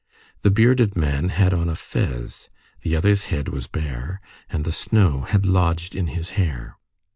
The bearded man had on a fez, the other's head was bare, and the snow had lodged in his hair.